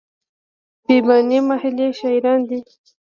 بیاباني محلي شاعر دی.